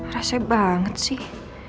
rasai banget sih